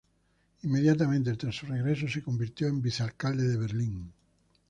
Inmediatamente tras su regreso se convirtió en vicealcalde de Berlín.